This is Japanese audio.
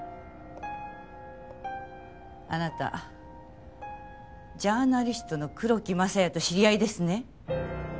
あなたジャーナリストの黒木政也と知り合いですね？